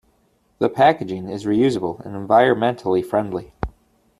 The packaging is reusable and environmentally friendly.